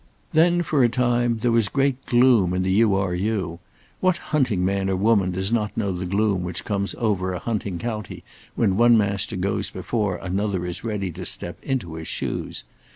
Then for a time there was great gloom in the U. R. U. What hunting man or woman does not know the gloom which comes over a hunting county when one Master goes before another is ready to step in his shoes?